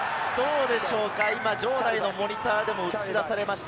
場内のモニターでも映し出されました。